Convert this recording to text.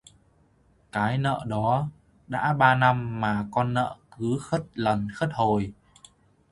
Cái nợ đó đã ba năm mà con nợ cứ khất lần khất hồi